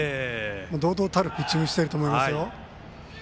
堂々たるピッチングしてると思いますよ。